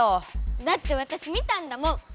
だってわたし見たんだもん！